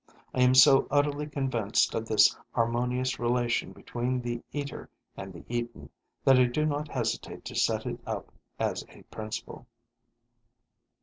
I am so utterly convinced of this harmonious relation between the eater and the eaten that I do not hesitate to set it up as a principle.